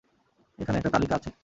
এখানে একটা তালিকা আছে।